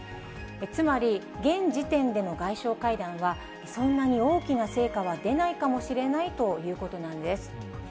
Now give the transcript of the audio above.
つまり、現時点での外相会談は、そんなに大きな成果は出ないかもしれないということなんです。